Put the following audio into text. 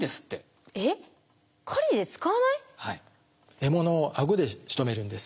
獲物を顎でしとめるんです。